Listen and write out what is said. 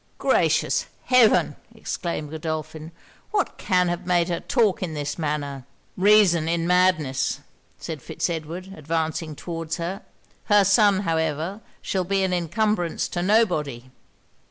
'Gracious heaven!' exclaimed Godolphin, 'what can have made her talk in this manner?' 'Reason in madness!' said Fitz Edward, advancing towards her. 'Her son, however, shall be an incumbrance to nobody.'